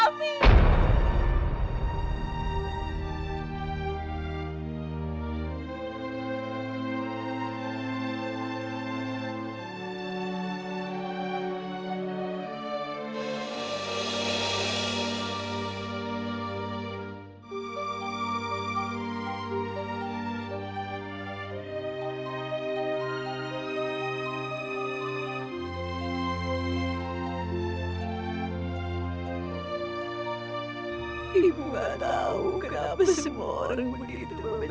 mengapa tidak ibu bunuhmu